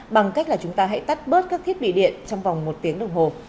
bằng cách là chúng ta hãy tắt bớt các thiết bị điện trong vòng một tiếng đồng hồ